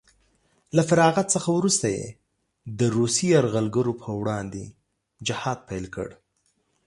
له فراغت څخه وروسته یې د روسیې یرغلګرو په وړاندې جهاد پیل کړ